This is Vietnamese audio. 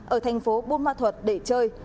ở thành phố bô ma thuật để chơi